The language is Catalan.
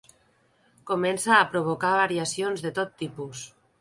Comença a provocar variacions de tot tipus.